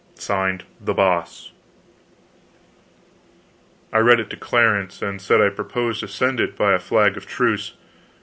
(Signed) THE BOSS. I read it to Clarence, and said I proposed to send it by a flag of truce.